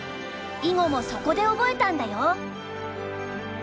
囲碁もそこで覚えたんだよ。